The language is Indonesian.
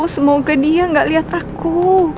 semoga dia gak lihat aku